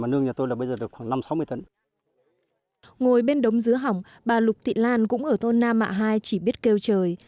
ngồi bên đống dứa hỏng bà lục thị lan cũng ở thôn nam mạ hai chỉ biết kêu trời